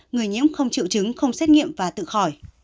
người nhiễm không triệu chứng không xét nghiệm và tự khỏi